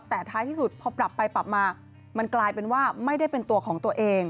แต่ท้ายที่สุดพอปรับไปปรับมามันกลายเป็นว่าไม่ได้เป็นตัวของตัวเอง